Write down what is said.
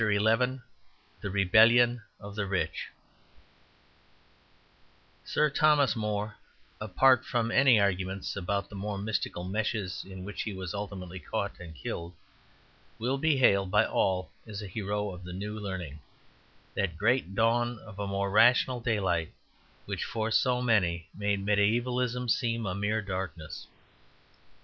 XI THE REBELLION OF THE RICH Sir Thomas More, apart from any arguments about the more mystical meshes in which he was ultimately caught and killed, will be hailed by all as a hero of the New Learning; that great dawn of a more rational daylight which for so many made mediævalism seem a mere darkness.